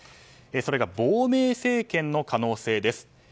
それが亡命政権の可能性です。